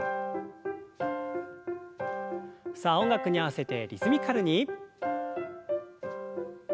さあ音楽に合わせてリズミカルに。